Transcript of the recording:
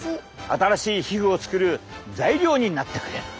新しい皮膚を作る材料になってくれる。